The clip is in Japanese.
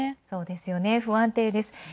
そうですよね、不安定です。